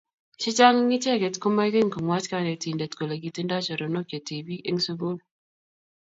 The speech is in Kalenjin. chechang eng ichek komaigeny komwach kanetindet kole kitindoi choronok che tibik eng sugul